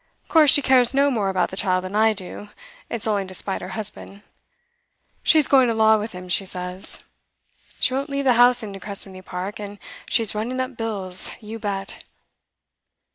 Of course she cares no more about the child than I do; it's only to spite her husband. She's going to law with him, she says. She won't leave the house in De Crespigny Park, and she's running up bills you bet!